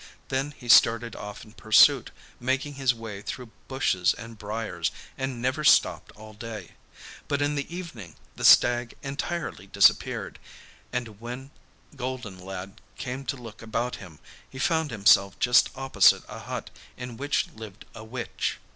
Then he started off in pursuit, making his way through bushes and briars, and never stopped all day; but in the evening the stag entirely disappeared, and when golden lad came to look about him he found himself just opposite a hut in which lived a witch.